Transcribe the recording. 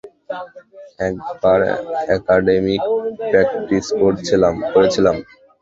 একবার অ্যাকাডেমীতে প্র্যাকটিস করেছিলাম।